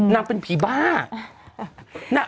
นางเป็นผีบ้า